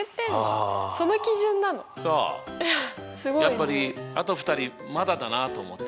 やっぱりあと２人まだだなと思って。